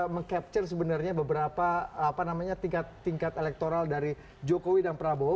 meng capture sebenarnya beberapa tingkat elektoral dari jokowi dan prabowo